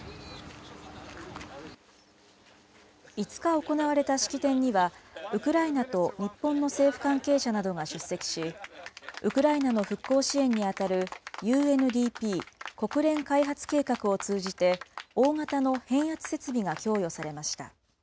５日行われた式典には、ウクライナと日本の政府関係者などが出席し、ウクライナの復興支援に当たるＵＮＤＰ・国連開発計画を通じて、大型の変圧設備が供与されました。